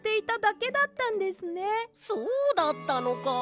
そうだったのか。